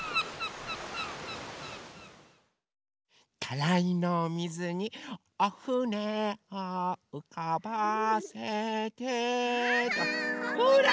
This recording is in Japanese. たらいのおみずに「おふねをうかばせて」ほら！